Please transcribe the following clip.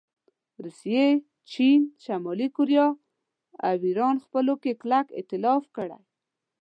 روسیې، چین، شمالي کوریا او ایران خپلو کې کلک ایتلاف کړی